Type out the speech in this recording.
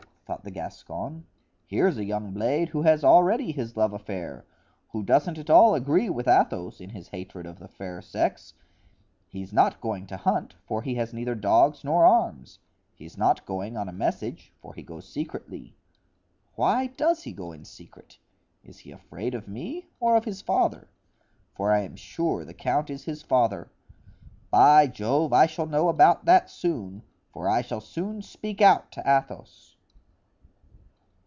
thought the Gascon "here's a young blade who has already his love affair, who doesn't at all agree with Athos in his hatred to the fair sex. He's not going to hunt, for he has neither dogs nor arms; he's not going on a message, for he goes secretly. Why does he go in secret? Is he afraid of me or of his father? for I am sure the count is his father. By Jove! I shall know about that soon, for I shall soon speak out to Athos."